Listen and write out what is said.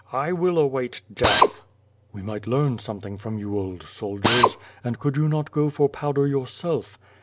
I will await death !" "We might Mearn something from you old soldiers. And could you not go for powder yourself?"